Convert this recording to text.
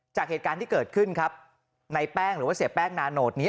จากเหตุการณ์ที่เกิดขึ้นครับในแป้งหรือว่าเสียแป้งนาโนดนี้